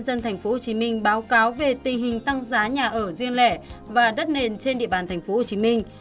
nhân dân thành phố hồ chí minh báo cáo về tình hình tăng giá nhà ở riêng lẻ và đất nền trên địa bàn thành phố hồ chí minh